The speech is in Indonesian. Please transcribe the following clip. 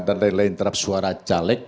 dan lain lain terhadap suara caleg